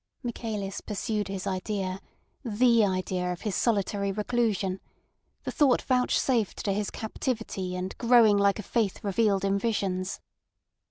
Michaelis pursued his idea—the idea of his solitary reclusion—the thought vouchsafed to his captivity and growing like a faith revealed in visions.